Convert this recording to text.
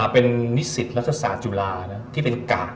เป็นนิสิตรัศนาจุฬาที่เป็นกะ